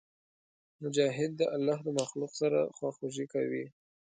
مجاهد د الله د مخلوق سره خواخوږي کوي.